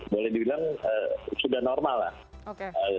boleh dibilang sudah normal lah